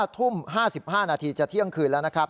ทุ่ม๕๕นาทีจะเที่ยงคืนแล้วนะครับ